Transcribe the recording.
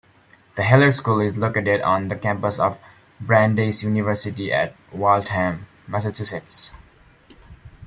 The Heller School is located on the campus of Brandeis University at Waltham, Massachusetts.